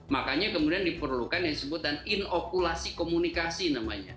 makanya kemudian diperlukan yang disebut dan inokulasi komunikasi namanya